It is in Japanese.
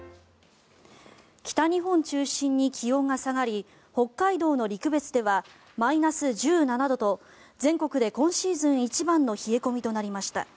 北日本中心に気温が下がり北海道の陸別ではマイナス１７度と全国で今シーズン一番の冷え込みとなりました。